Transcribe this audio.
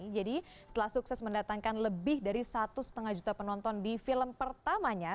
jadi setelah sukses mendatangkan lebih dari satu lima juta penonton di film pertamanya